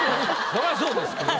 そらそうですけど。